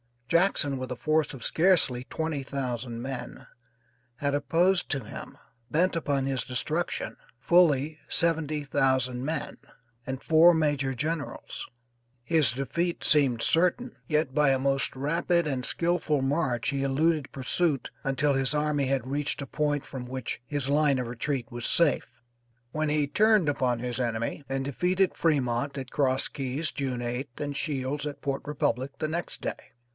Jackson, with a force of scarcely twenty thousand men, had opposed to him, bent upon his destruction, fully seventy thousand men, and four major generals; his defeat seemed certain, yet by a most rapid and skillful march he eluded pursuit until his army had reached a point from which his line of retreat was safe, when he turned upon his enemy and defeated Fremont at Cross Keys June 8th, and Shields at Port Republic the next day.